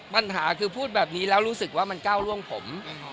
ปัญหาคือพูดแบบนี้แล้วรู้สึกว่ามันก้าวร่วงผม